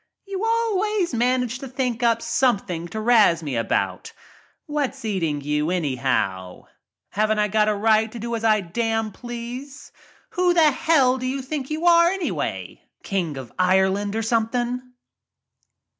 "You always manage to think up something to razz me about. What's eating you, anyhow? Haven't I got a right to do as I damn ' THE GREAT LETTY 41 please? Who th^ hell do you think you are, any how — King of Ireland, or something?"